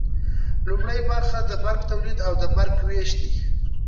لومړی برخه د برق تولید او د برق ویش دی.